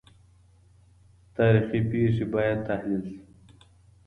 تاريخي پېښې بايد تحليل سي.